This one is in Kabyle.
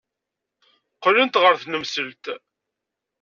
Qqlent ɣer tnemselt.